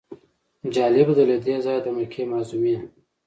جالبه ده له دې ځایه د مکې معظمې.